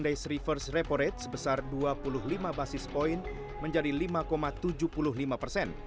race reverse repo rate sebesar dua puluh lima basis point menjadi lima tujuh puluh lima persen